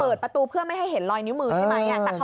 ประตูเพื่อไม่ให้เห็นลอยนิ้วมือใช่ไหม